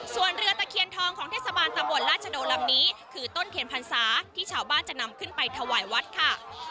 ส่วนเรือตะเคียนทองของเทศบาลตำบลราชโดลำนี้คือต้นเทียนพรรษาที่ชาวบ้านจะนำขึ้นไปถวายวัดค่ะ